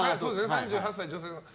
３８歳、女性から。